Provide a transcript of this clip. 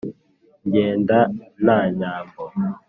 ngenda na nyambo